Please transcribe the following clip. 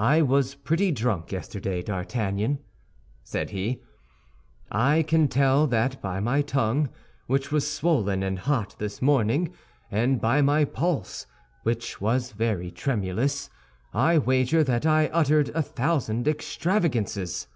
"I was pretty drunk yesterday, D'Artagnan," said he, "I can tell that by my tongue, which was swollen and hot this morning, and by my pulse, which was very tremulous. I wager that I uttered a thousand extravagances."